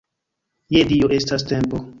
Je Dio, estas tempo!